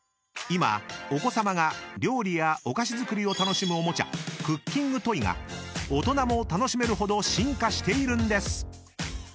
［今お子さまが料理やお菓子作りを楽しむおもちゃクッキングトイが大人も楽しめるほど進化しているんです］